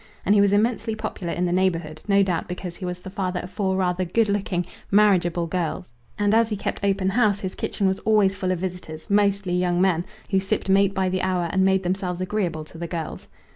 And he was immensely popular in the neighbourhood, no doubt because he was the father of four rather good looking, marriageable girls; and as he kept open house his kitchen was always full of visitors, mostly young men, who sipped mate by the hour, and made themselves agreeable to the girls.